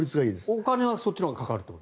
お金はそっちのほうがかかる？